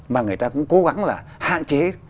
mà người ta cũng cố gắng là hạn chế